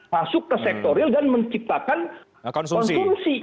masuk ke sektor real dan menciptakan konsumsi